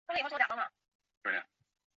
其设计也使其在通话时有少许延迟。